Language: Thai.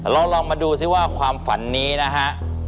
ลองมาดูซิว่าความฝันนี้นะฮะ